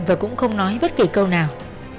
và cũng không nói bất kỳ câu nào